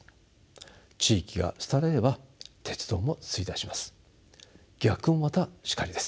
地域が廃れれば鉄道も衰退します。